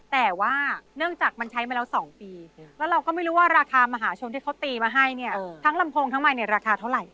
แต่ว่าเนื่องจากมันใช้มาแล้ว๒ปีแล้วเราก็ไม่รู้ว่าราคามหาชนที่เขาตีมาให้เนี่ยทั้งลำโพงทั้งใบเนี่ยราคาเท่าไหร่